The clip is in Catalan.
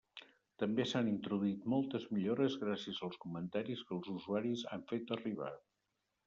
També s'han introduït moltes millores gràcies als comentaris que els usuaris han fet arribar.